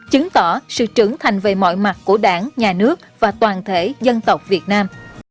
chứng tỏ sự trưởng thành về mọi mặt của đảng nhà nước và toàn thể dân tộc việt nam